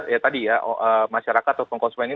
ya tadi ya masyarakat ataupun konsumen ini